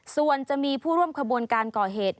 ส่วนจะมีผู้ร่วมขบวนการก่อเหตุ